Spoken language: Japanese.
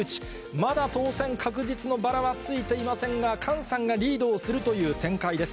まだ当選確実のバラはついていませんが、菅さんがリードをするという展開です。